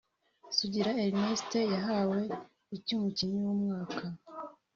Sugira Ernest yahawe icy’umukinnyi w’umwaka